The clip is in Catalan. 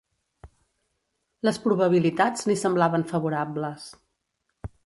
Les probabilitats li semblaven favorables.